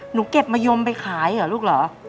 เก็บมะยมไปขายเหรอลูกเหรอ